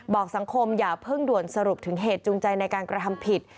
สังคมอย่าเพิ่งด่วนสรุปถึงเหตุจูงใจในการกระทำผิด